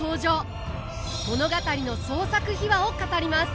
物語の創作秘話を語ります。